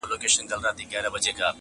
o سر او بر یې ګوره مه بس ټولوه یې ,